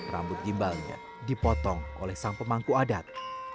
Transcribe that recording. rambut gimbalnya dipotong oleh sang pemangku adat